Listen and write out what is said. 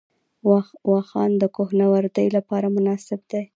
واخان د کوه نوردۍ لپاره مناسب دی